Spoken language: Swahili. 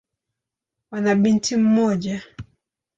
Wana binti mmoja.